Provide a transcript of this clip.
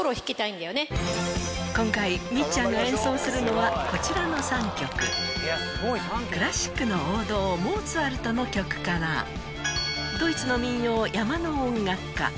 今回みっちゃんが演奏するのはこちらの３曲クラシックの王道モーツァルトの曲からドイツの民謡『山の音楽家』